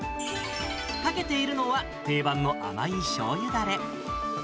かけているのは、定番の甘いしょうゆだれ。